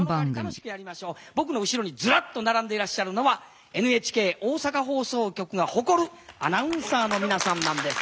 僕の後ろにずらっと並んでいらっしゃるのはＮＨＫ大阪放送局が誇るアナウンサーの皆さんなんです。